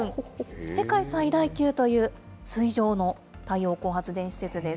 世界最大級という水上の太陽光発電施設です。